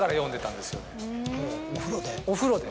お風呂で？